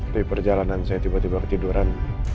tapi perjalanan saya tiba tiba ketiduran